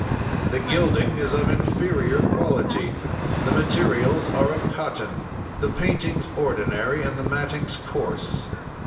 "The gilding is of inferior quality; the materials are of cotton, the paintings ordinary, and the mattings coarse.